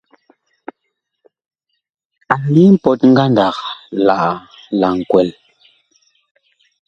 Ag yi mpɔt ngandag la nkwɛl.